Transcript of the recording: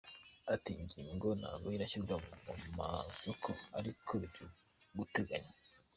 Ati “Inyingo ntabwo irashyirwa mu masoko ariko biri guteganywa.